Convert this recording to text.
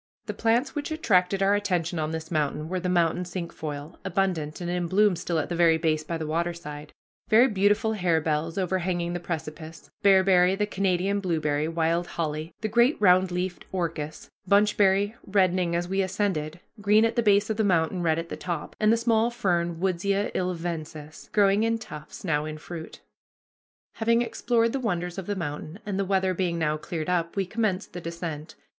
The plants which attracted our attention on this mountain were the mountain cinquefoil, abundant and in bloom still at the very base by the waterside, very beautiful harebells overhanging the precipice, bearberry, the Canada blueberry, wild holly, the great round leafed orchis, bunchberry, reddening as we ascended, green at the base of the mountain, red at the top, and the small fern Woodsia ilvensis, growing in tufts, now in fruit. Having explored the wonders of the mountain, and the weather being now cleared up, we commenced the descent.